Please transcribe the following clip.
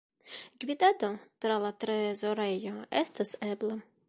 Gvidado tra la trezorejo estas ebla.